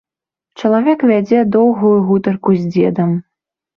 Чалавек вядзе доўгую гутарку з дзедам.